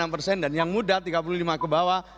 dua puluh enam persen dan yang muda tiga puluh lima kebawah